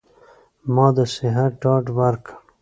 ما د صحت ډاډ ورکړ.